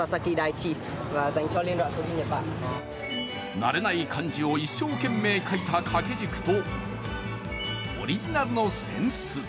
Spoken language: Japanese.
慣れない漢字を一生懸命書いた掛け軸とオリジナルの扇子。